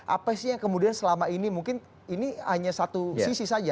apa sih yang kemudian selama ini mungkin ini hanya satu sisi saja